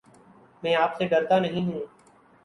میں آپ سے ڈرتا نہیں ہوں